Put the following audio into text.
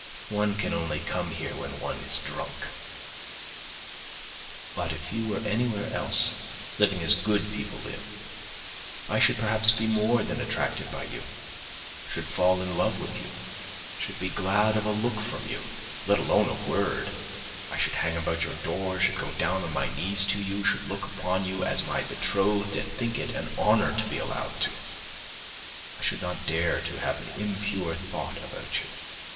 One can only come here when one is drunk. But if you were anywhere else, living as good people live, I should perhaps be more than attracted by you, should fall in love with you, should be glad of a look from you, let alone a word; I should hang about your door, should go down on my knees to you, should look upon you as my betrothed and think it an honour to be allowed to. I should not dare to have an impure thought about you.